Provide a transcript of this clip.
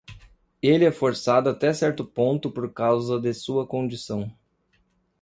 Ele é forçado até certo ponto por causa de sua condição.